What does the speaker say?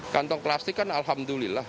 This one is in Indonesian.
kantong plastik kan alhamdulillah